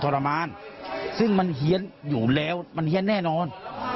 แล้วมันเหี้ยนแน่นอน